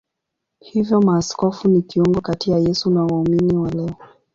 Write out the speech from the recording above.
Hivyo maaskofu ni kiungo kati ya Yesu na waumini wa leo.